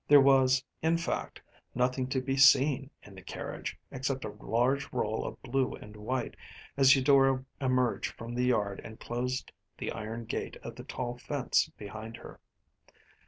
There was, in fact, nothing to be seen in the carriage, except a large roll of blue and white, as Eudora emerged from the yard and closed the iron gate of the tall fence behind her.